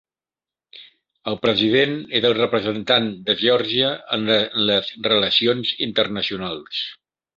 El President és el representant de Geòrgia en les relacions internacionals.